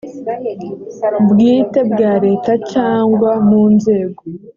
bwite bwa leta cyangwa mu nzego